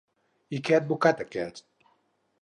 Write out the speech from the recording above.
I què ha advocat aquest?